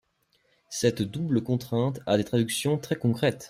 Cette double contrainte a des traductions très concrètes.